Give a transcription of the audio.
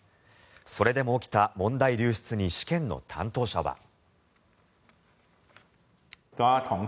それでも起きた問題流出に試験の担当者は。